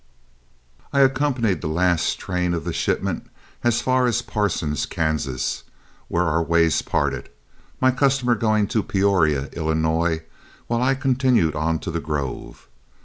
I accompanied the last train of the shipment as far as Parsons, Kansas, where our ways parted, my customer going to Peoria, Illinois, while I continued on to The Grove.